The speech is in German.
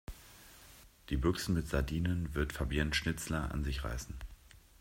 Die Büchsen mit Sardinen wird Fabienne Schnitzler an sich reißen.